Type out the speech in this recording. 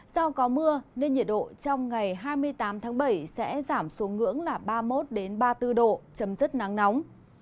do có mưa nên nhiệt độ trong ngày hai mươi tám tháng bảy sẽ giảm xuống ngưỡng là ba mươi một ba mươi bốn độ chấm dứt nắng nóng